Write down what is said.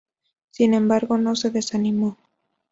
Sin embargo no se desanimó.